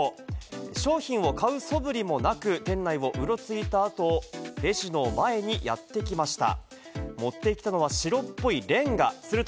商品を買うそぶりもなく、店内をうろついた後、レジの前にやってきました。